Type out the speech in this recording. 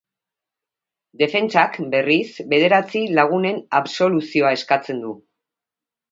Defentsak, berriz, bederatzi lagunen absoluzioa eskatzen du.